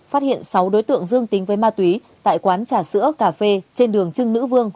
phát hiện sáu đối tượng dương tính với ma túy tại quán trà sữa cà phê trên đường trưng nữ vương